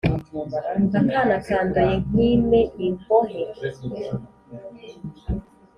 akana kandoye nkime ingohe